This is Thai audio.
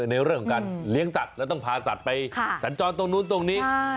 ในเรื่องของการเลี้ยงสัตว์แล้วต้องพาสัตว์ไปสัญจรตรงนู้นตรงนี้